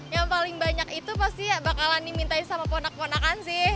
yang paling banyak itu pasti bakalan dimintain sama ponak ponakan sih